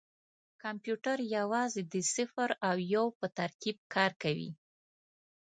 کمپیوټر یوازې د صفر او یو په ترکیب کار کوي.